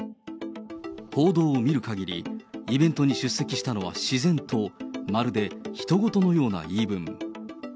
報道を見るかぎり、イベントに出席したのは自然と、まるでひと事のような言い分。